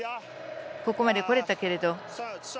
ここまでこれたけれど。